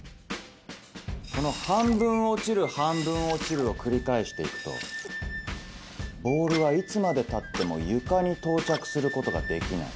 この半分落ちる半分落ちるを繰り返して行くとボールはいつまでたっても床に到着することができない。